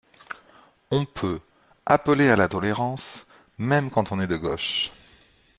On peut 'appeler à la tolérance', même quand on est de gauche.